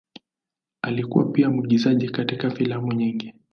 Alikuwa pia mwigizaji katika filamu nyingi.